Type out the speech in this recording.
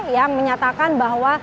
yang menyatakan bahwa